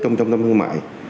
trong trung tâm thương mại